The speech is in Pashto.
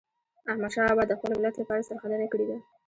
احمدشاه بابا د خپل ملت لپاره سرښندنه کړې ده.